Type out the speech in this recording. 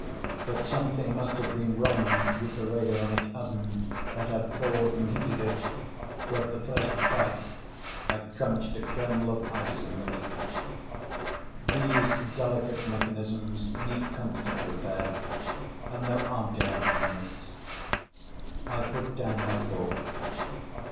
But something must have been wrong with the radionic oven that had thawed and heated it, for at the first bite I crunched a kernel of ice in the meat. These delicate mechanisms need constant repair and there aren't enough mechanics. I put down my fork.